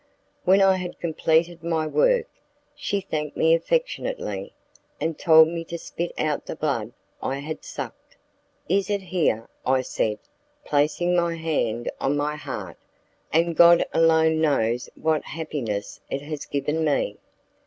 When I had completed my work, she thanked me affectionately, and told me to spit out the blood I had sucked. "It is here," I said, placing my hand on my heart, "and God alone knows what happiness it has given me."